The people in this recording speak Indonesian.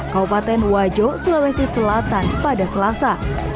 kabupaten wajo sulawesi selatan pada selasa